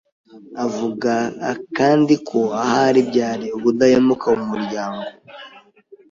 Avuga kandi ko "ahari byari ubudahemuka mu muryango